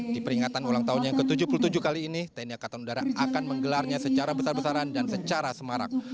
di peringatan ulang tahun yang ke tujuh puluh tujuh kali ini tni angkatan udara akan menggelarnya secara besar besaran dan secara semarak